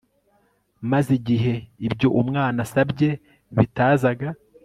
Maze igihe ibyo umwana asabye bitazaga